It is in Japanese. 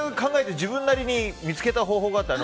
自分なりに見つけた方法があって。